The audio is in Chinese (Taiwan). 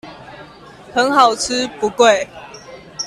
很好吃不貴